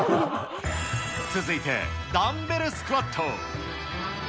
続いてダンベルスクワット。